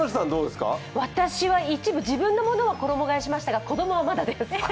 私は一部、自分のものは衣がえしましたが、子供はまだです。